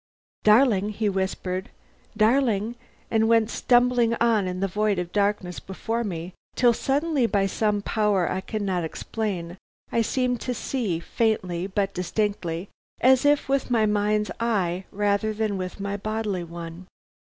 "'Darling!' he whispered, 'darling!' and went stumbling on in the void of darkness before me, till suddenly by some power I cannot explain I seemed to see, faintly but distinctly, and as if with my mind's eye rather than with my bodily one.